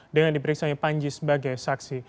dengan diperiksanya panji sebagai saksi